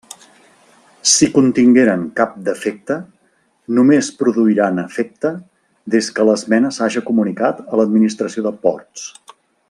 Si contingueren cap defecte, només produiran efecte des que l'esmena s'haja comunicat a l'administració de Ports.